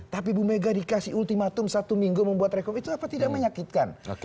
tapi bu mega dikasih ultimatum satu minggu membuat rekom itu apa tidak menyakitkan